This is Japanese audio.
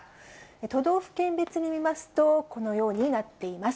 都道府県別に見ますと、このようになっています。